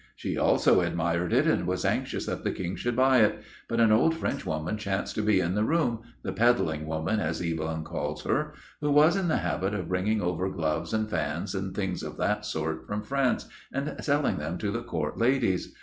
She also admired it, and was anxious that the King should buy it; but an old Frenchwoman chanced to be in the room the 'peddling woman,' as Evelyn calls her who was in the habit of bringing over gloves, and fans, and things of that sort, from France, and selling them to the Court ladies.